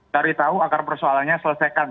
cari tahu akar persoalannya selesaikan